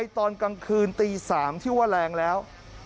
ตอนกลางคืนตี๓ที่ว่าแรงแล้ว